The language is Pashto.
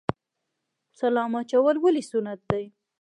سلام اچول ولې سنت دي؟